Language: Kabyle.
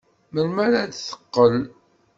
Melmi ara d-teqqel?